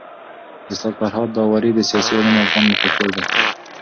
استاد فرهاد داوري د سياسي علومو افغان مفکر دی.